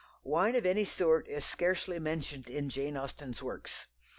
Wine of any sort is scarcely mentioned in Jane Austen's works.